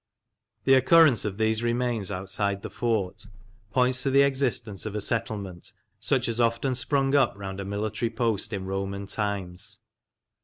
The occurrence of these remains outside the fort points to the existence of a settlement such as often sprung up round a military post in Roman times.